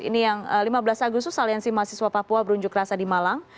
ini yang lima belas agustus aliansi mahasiswa papua berunjuk rasa di malang